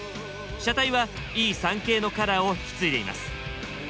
車体はＥ３系のカラーを引き継いでいます。